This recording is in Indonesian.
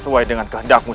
seas iq dengan keinginan